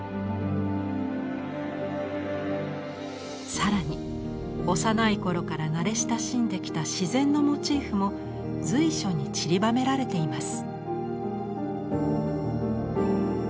更に幼い頃から慣れ親しんできた自然のモチーフも随所にちりばめられています。